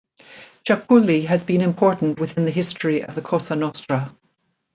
Ciaculli has been important within the history of the Cosa Nostra.